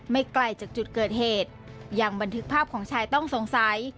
ไกลจากจุดเกิดเหตุยังบันทึกภาพของชายต้องสงสัย